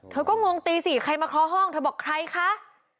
เธอก็งงตี๔ใครมาเคาะห้องเธอบอกใครคะ